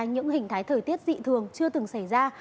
những hình thái thời tiết dị thường chưa từng xảy ra